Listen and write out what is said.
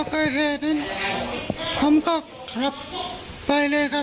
สักตอนที่คงไปเลยครับ